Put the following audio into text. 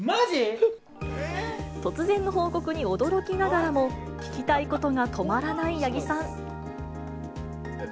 突然の報告に驚きながらも、聞きたいことが止まらない八木さん。